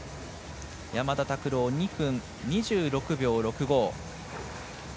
山田拓朗、２分２６秒６５。